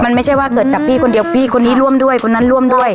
มันไม่ใช่ว่าเกิดจากพี่คนเดียวพี่คนนี้ร่วมด้วยคนนั้นร่วมด้วย